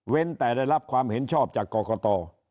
แต่ได้รับความเห็นชอบจากกรกต